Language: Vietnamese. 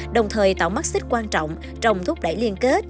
đồng thời tạo mắc xích quan trọng trong thúc đẩy liên kết